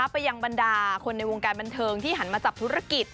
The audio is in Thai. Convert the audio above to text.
ไปยังบรรดาคนในวงการบันเทิงที่หันมาจับธุรกิจ